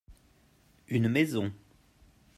une maison.